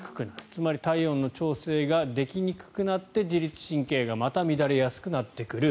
つまり、体温の調整ができにくくなって自律神経がまた乱れやすくなってくる。